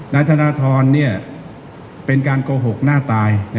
นายธนทรเป็นการโกหกหน้าตาย